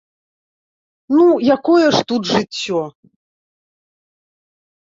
Ну, якое ж тут жыццё!